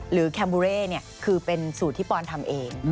แคมบูเร่คือเป็นสูตรที่ปอนทำเอง